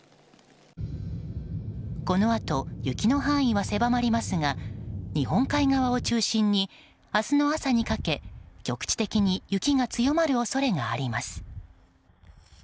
このあと雪の範囲は狭まりますが日本海側を中心に明日の朝にかけ局地的に雪が強まる恐れがあります。